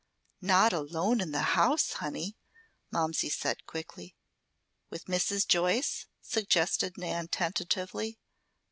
"Not alone in the house, honey," Momsey said quickly. "With Mrs. Joyce?" suggested Nan tentatively.